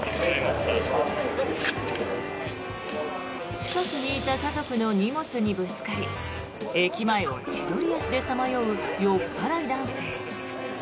近くにいた家族の荷物にぶつかり駅前を千鳥足でさまよう酔っ払い男性。